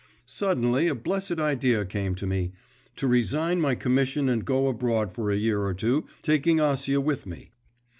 Suddenly a blessed idea came to me to resign my commission and go abroad for a year or two, taking Acia with me.